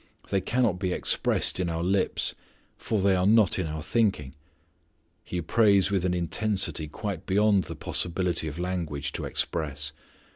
They cannot be expressed in our lips for they are not in our thinking. He prays with an intensity quite beyond the possibility of language to express.